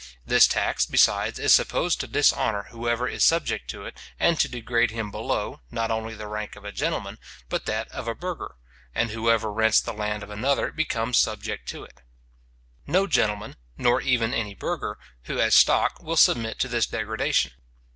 This tax, besides, is supposed to dishonour whoever is subject to it, and to degrade him below, not only the rank of a gentleman, but that of a burgher; and whoever rents the lands of another becomes subject to it. No gentleman, nor even any burgher, who has stock, will submit to this degradation.